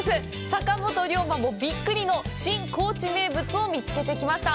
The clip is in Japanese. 坂本龍馬もびっくりの新高知名物を見つけてきました。